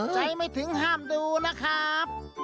ใจไม่ถึงห้ามดูนะครับ